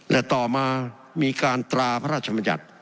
และต่อมามีการตราพระราชมนตรา